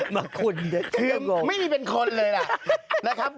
มาคุณเที่ยงโงงไม่ได้เป็นคนเลยล่ะนะครับ